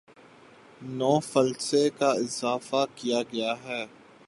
نو فلس کا اضافہ کیا گیا ہے